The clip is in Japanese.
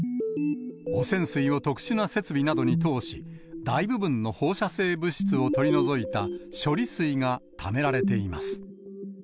汚染水を特殊な設備などに通し、大部分の放射性物質を取り除いた処理水がためられています。